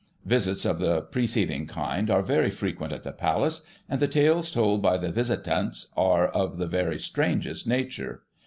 Visits of the preceding kind are very frequent at the Palace, and the tales told by the visitants are of the very strangest nature.